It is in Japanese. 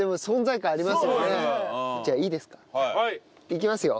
いきますよ。